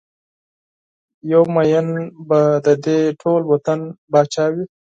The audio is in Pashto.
یو ميېن به ددې ټول وطن پاچا وي